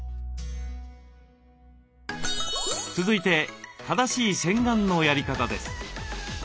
続いて正しい洗顔のやり方です。